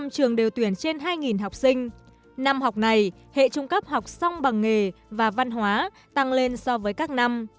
một mươi trường đều tuyển trên hai học sinh năm học này hệ trung cấp học xong bằng nghề và văn hóa tăng lên so với các năm